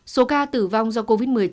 số ca tử vong do covid một mươi chín